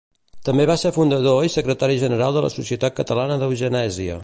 També va ser fundador i secretari general de la Societat Catalana d'Eugenèsia.